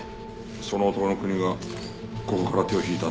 その男の国がここから手を引いたんだろう。